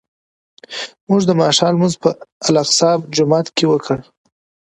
موږ د ماښام لمونځ په الاقصی جومات کې وکړ.